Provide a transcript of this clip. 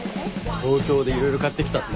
東京で色々買ってきたんだ。